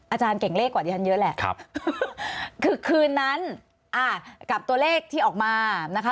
อาจารย์เก่งเลขกว่าที่ฉันเยอะแหละคือคืนนั้นอ่ากับตัวเลขที่ออกมานะคะ